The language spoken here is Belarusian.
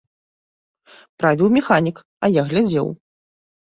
Правіў механік, а я глядзеў.